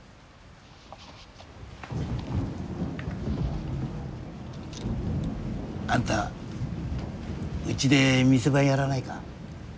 あんたうちで店番やらないか？